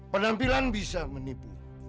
penampilan bisa menipu